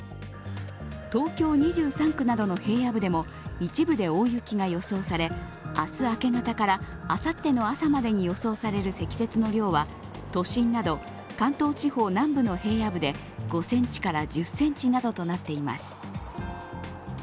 東京２３区などの平野部でも一部で大雪が予想され明日明け方からあさっての朝までに予想される積雪の量は都心など関東地方南部の平野部で５ｃｍから１０ｃｍなどとなっています。